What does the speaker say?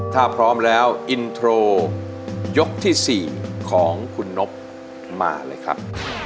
ถ้าพร้อมแล้วอินโทรยกที่๔ของคุณนบมาเลยครับ